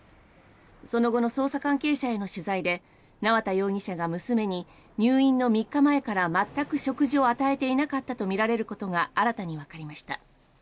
その後の捜査関係者への取材で縄田容疑者が娘に入院の３日前から全く食事を与えていなかったとみられることが新たにわかりました。